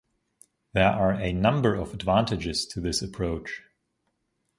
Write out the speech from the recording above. There are a number of advantages to this approach.